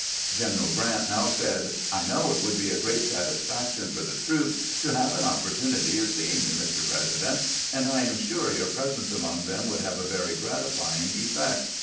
General Grant now said :" I know it would be a great satisfaction for the troops to have an opportunity of seeing you, Mr. President ; and I am sure your presence among them would have a very gratifying effect.